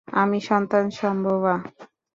আমি সন্তান সম্ভবা।